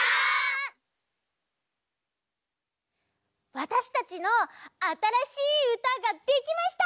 わたしたちのあたらしいうたができました！